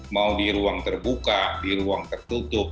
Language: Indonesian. mau di ruang terbuka di ruang tertutup